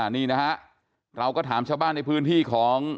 นี่นะฮะเราก็ถามชาวบ้านในพื้นที่ของ